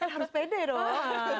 harus pede dong